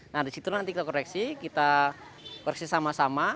nah disitu nanti kita koreksi kita koreksi sama sama